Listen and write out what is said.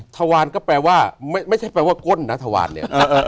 ทวารก็แปลว่าไม่ใช่แปลว่าก้นนะทวานเนี่ย